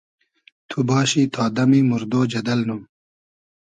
تو باشی تا دئمی موردۉ جئدئل نوم